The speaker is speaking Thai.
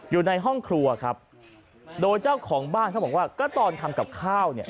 อยู่ในห้องครัวครับโดยเจ้าของบ้านเขาบอกว่าก็ตอนทำกับข้าวเนี่ย